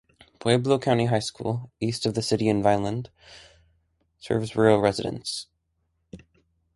Pueblo County High School, east of the city in Vineland, serves rural residents.